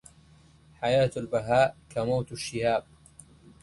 حياة البهاء كموت الشهاب